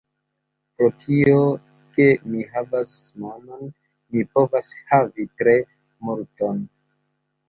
Pro tio, ke mi havas monon, mi povas havi tre multon.